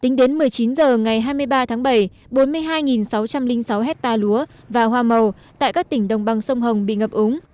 tính đến một mươi chín h ngày hai mươi ba tháng bảy bốn mươi hai sáu trăm linh sáu hectare lúa và hoa màu tại các tỉnh đồng bằng sông hồng bị ngập úng